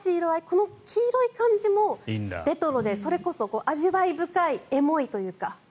この黄色い感じもレトロでそれこそ味わい深いエモいというか。